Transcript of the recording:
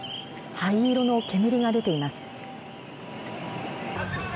灰色の煙が出ています。